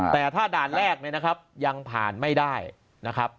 แต่ถ้าด่านแรกเนี่ยนะครับยังผ่านไม่ได้นะครับ